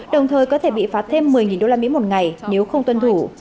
đồng thời có thể bị phạt thêm một mươi đô la mỹ một ngày nếu không tuân thủ